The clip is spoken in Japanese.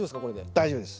大丈夫ですか？